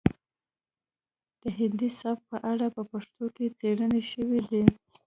د هندي سبک په اړه په پښتو کې څیړنې شوي دي